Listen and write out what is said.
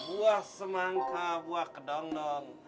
buah semangka buah kedong dong